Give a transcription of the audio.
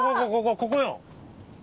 ここよ！